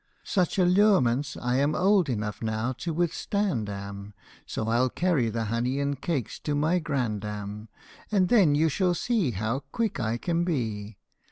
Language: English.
" Such allurements I old enough now to withstand am., So I '11 carry the honey and cake to my grandam, And then you shall see how quick I can be.